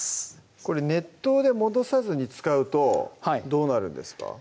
これ熱湯で戻さずに使うとどうなるんですか？